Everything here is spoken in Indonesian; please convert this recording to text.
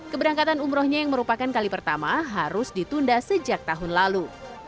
keberangkatan umrohnya yang merupakan kali pertama harus ditunda sejak tahun lalu